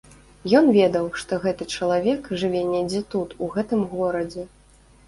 Ён ведаў, што гэты чалавек жыве недзе тут, у гэтым горадзе.